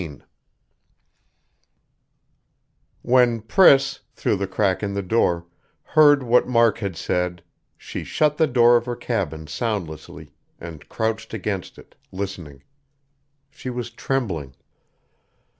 XIII When Priss, through the crack in the door, heard what Mark had said, she shut the door of her cabin soundlessly, and crouched against it, listening. She was trembling....